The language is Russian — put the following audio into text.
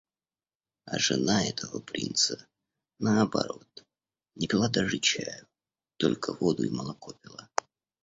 А жена этого принца, наоборот, не пила даже чаю, только воду и молоко пила.